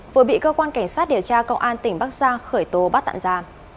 vừa bị cơ quan cảnh sát điều tra công an tỉnh bắc giang khởi tố bắt tạm ra